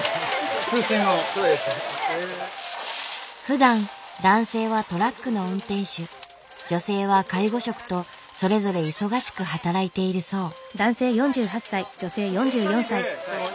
ふだん男性はトラックの運転手女性は介護職とそれぞれ忙しく働いているそう。